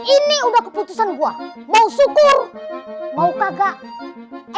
ini udah keputusan gua mau syukur mau kagak emangnya gua pikirin